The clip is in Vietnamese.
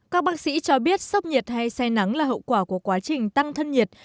các bác sĩ cho biết sốc nhiệt hay say nắng là hậu quả của quá trình tăng thân nhiệt